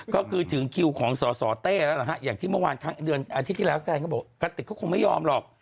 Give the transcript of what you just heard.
ก็คือถึงคิวของสสเต้แล้วล่ะฮะอย่างที่เมื่อวานครั้งเดือนอาทิตย์ที่แล้วแซนก็บอกกะติกก็คงไม่ยอมหรอก